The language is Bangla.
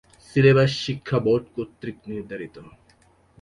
সিলেবাস শিক্ষা বোর্ড কর্তৃক নির্ধারিত।